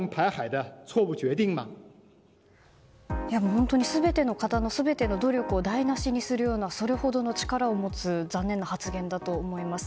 本当に全ての方の全ての努力を台無しにするようなそれほどの力を持つ残念な発言だと思います。